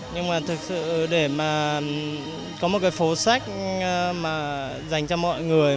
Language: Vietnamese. nhưng mà thực sự để mà có một cái phố sách mà dành cho mọi người